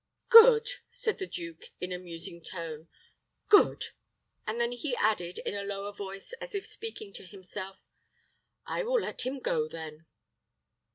"Good!" said the duke, in a musing tone. "Good!" And then he added, in a lower voice, as if speaking to himself, "I will let him go, then."